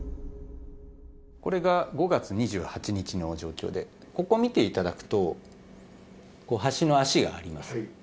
これが５月２８日の状況で、ここを見ていただくと、橋の脚があります。